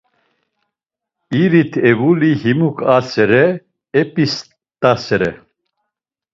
İri tevuli himuk asere, ep̌ist̆asere!